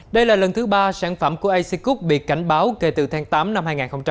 đây là lần thứ ba sản phẩm của a c cook bị cảnh báo kể từ tháng tám năm hai nghìn hai mươi một